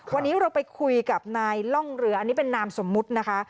วันนี้เราไปคุยกับนายล่องเรืออันนี้เป็นนามสมมุตินะคะ